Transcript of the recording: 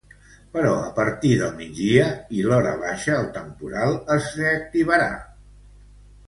Però a partir del migdia i l’horabaixa el temporal es reactivarà.